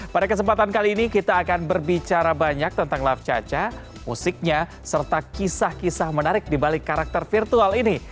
pada kesempatan kali ini kita akan berbicara banyak tentang laf caca musiknya serta kisah kisah menarik dibalik karakter virtual ini